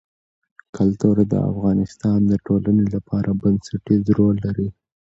کلتور د افغانستان د ټولنې لپاره بنسټيز رول لري.